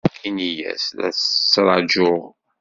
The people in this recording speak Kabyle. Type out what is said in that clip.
Ini-as la tt-ttṛajuɣ.